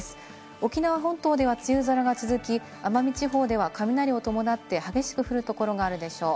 沖縄本島では梅雨空が続き、奄美地方では雷を伴って激しく降るところがあるでしょう。